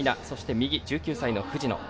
右、１９歳の藤野。